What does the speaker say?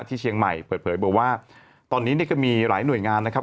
ที่เชียงใหม่เปิดเผยบอกว่าตอนนี้นี่ก็มีหลายหน่วยงานนะครับ